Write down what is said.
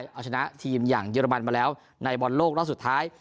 จะชนะทีมอย่างเยอรมันมาแล้วในบอนโลกแล้วสักสุดท้าย